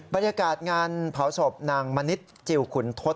บรรยากาศงานเผาศพนางมณิษฐ์จิลขุนทศ